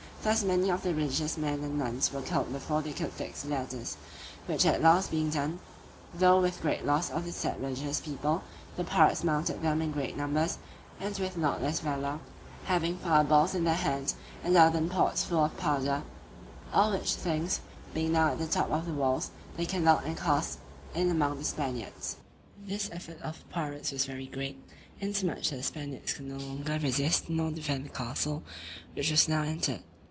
Thus many of the religious men and nuns were killed before they could fix the ladders; which at last being done, though with great loss of the said religious people, the pirates mounted them in great numbers, and with not less valour, having fire balls in their hands, and earthen pots full of powder; all which things, being now at the top of the walls, they kindled and cast in among the Spaniards. This effort of the pirates was very great, insomuch that the Spaniards could no longer resist nor defend the castle, which was now entered.